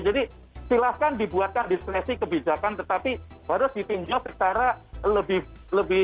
jadi silahkan dibuatkan diskresi kebijakan tetapi harus dipinjau secara lebih sermat gitu